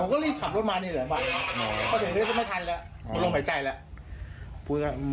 เราก็รีบขับรถมานี่เลยเดี๋ยวไม่ทันแล้วลงหายใจแล้ว